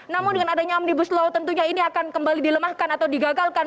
namun dengan adanya omnibus law tentunya ini akan kembali dilemahkan atau digagalkan